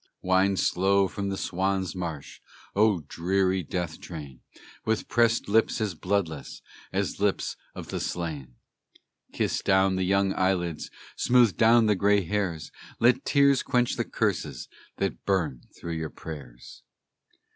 Wind slow from the Swan's Marsh, O dreary death train, With pressed lips as bloodless As lips of the slain! Kiss down the young eyelids, Smooth down the gray hairs; Let tears quench the curses That burn through your prayers.